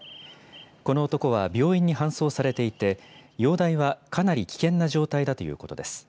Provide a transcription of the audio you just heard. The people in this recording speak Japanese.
この男は病院に搬送されていて、容体はかなり危険な状態だということです。